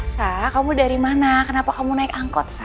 sa kamu dari mana kenapa kamu naik angkot sa